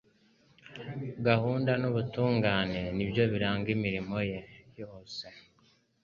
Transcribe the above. Gahunda n'ubutungane ni byo biranga imirimo ye yose.